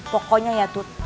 pokoknya ya dud